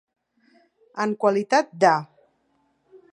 En qualitat de.